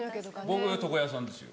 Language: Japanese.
僕床屋さんですよ。